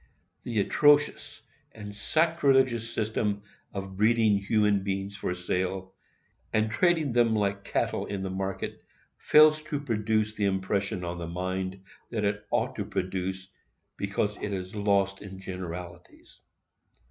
The atrocious and sacrilegious system of breeding human beings for sale, and trading them like cattle in the market, fails to produce the impression on the mind that it ought to produce, because it is lost in generalities.